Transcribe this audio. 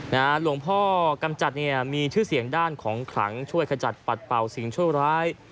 หลวงพ่อกำจัดเนี่ยมีชื่อเสียงด้านของขลังช่วยขจัดปัดเป่าสิ่งชั่วร้าย